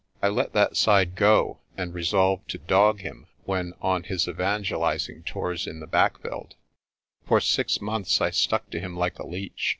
I let that side go, and resolved to dog him when on his evangelising tours in the back veld. "For six months I stuck to him like a leech.